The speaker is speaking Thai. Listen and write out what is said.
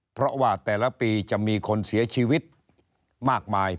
เพราะว่าแต่ละปีจะมีคนเสียชีวิตมากมาย